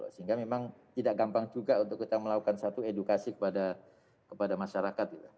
sehingga memang tidak gampang juga untuk kita melakukan satu edukasi kepada masyarakat